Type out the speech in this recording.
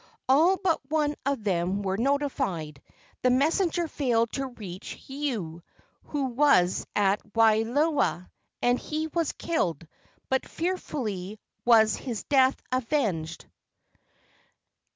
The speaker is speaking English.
All but one of them were notified. The messenger failed to reach Hueu, who was at Waialua, and he was killed. But fearfully was his death avenged.